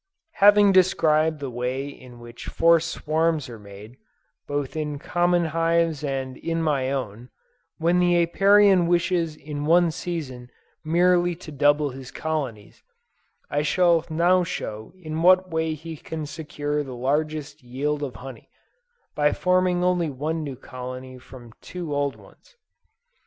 Having described the way in which forced swarms are made, both in common hives and in my own, when the Apiarian wishes in one season merely to double his colonies, I shall now show in what way he can secure the largest yield of honey, by forming only one new colony from two old ones.